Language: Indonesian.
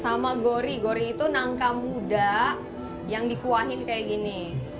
sama gori gori itu nangka muda yang dikuahin kayak gini